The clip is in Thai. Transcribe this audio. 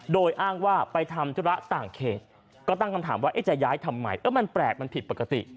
โดยอ้างว่าไปทำธุระต่างเขตก็ตั้งคำถามว่าจะย้ายทำไมมันแปลกมันผิดปกติ